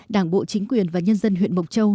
đảng bộ chính quyền và nhân dân huyện mộc châu